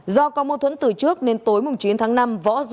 do có mâu thuẫn từ trước nên tối chín tháng năm